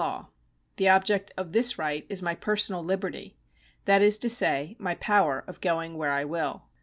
188 LEGAL RIGHTS [§ 73 law ; the object of this right is my personal liberty — that is to say, my power of going where I will.